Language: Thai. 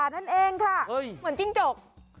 เหมือนกิ้งจก